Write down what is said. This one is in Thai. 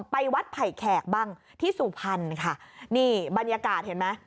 ไปวัดไผ่แขกบ้างที่สุพรรณค่ะนี่บรรยากาศเห็นไหม